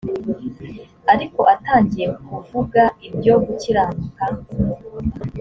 ariko atangiye kuvuga ibyo gukiranuka.